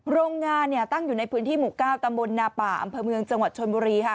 โรงงานตั้งอยู่ในพื้นที่หมู่๙ตำบลนาป่าอำเภอเมืองจังหวัดชนบุรีค่ะ